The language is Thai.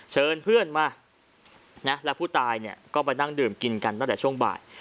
เชิญเพื่อนมาและผู้ตายนั่งซัดในดื่มกันตั้งแต่ช่วงบ่าย